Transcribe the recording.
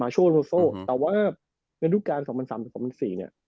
มาโชลโนโซแต่ว่าในรุดการ๒๐๐๓๒๐๐๔เนี่ย